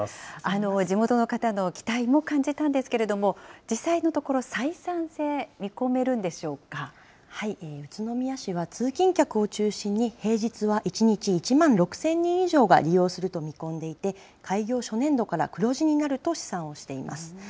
地元の方の期待も感じたんですけれども、実際のところ、採算性、宇都宮市は通勤客を中心に、平日は１日１万６０００人以上が利用すると見込んでいて、開業初年度から黒字になると試算をしています。